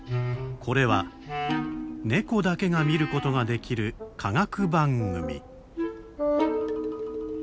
これはネコだけが見ることができる科学番組。